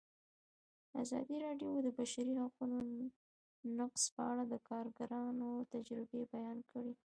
ازادي راډیو د د بشري حقونو نقض په اړه د کارګرانو تجربې بیان کړي.